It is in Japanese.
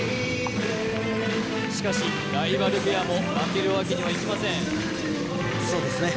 しかしライバルペアも負けるわけにはいきませんそうですね